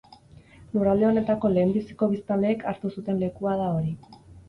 Lurralde honetako lehenbiziko biztanleek hartu zuten lekua da hori.